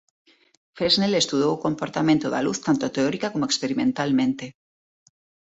Fresnel estudou o comportamento da luz tanto teórica como experimentalmente.